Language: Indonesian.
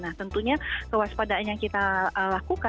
nah tentunya kewaspadaan yang kita lakukan